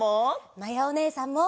まやおねえさんも！